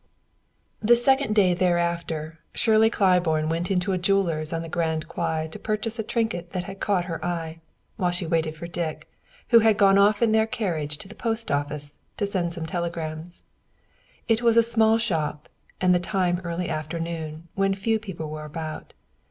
The second day thereafter Shirley Claiborne went into a jeweler's on the Grand Quai to purchase a trinket that had caught her eye, while she waited for Dick, who had gone off in their carriage to the post office to send some telegrams. It was a small shop, and the time early afternoon, when few people were about.